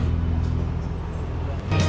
aku sama nang deketin korban